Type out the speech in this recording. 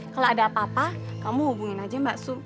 kalau ada apa apa kamu hubungin aja mbak su